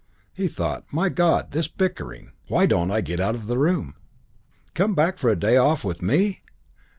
He thought, "My God, this bickering! Why don't I get out of the room?" "Come back for a day off with me!